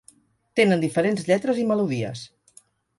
Tenen diferents lletres i melodies.